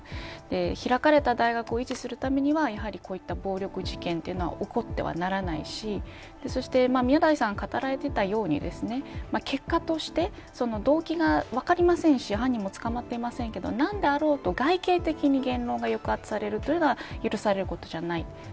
開かれた大学を維持するためにはこういった暴力事件は起こってはならないし宮台さんが語られていたように結果として動機が分かりませんし犯人も捕まっていませんけど何であろうと外形的に言論が抑圧されるのは許せません。